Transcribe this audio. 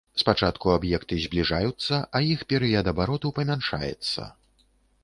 Спачатку аб'екты збліжаюцца, а іх перыяд абароту памяншаецца.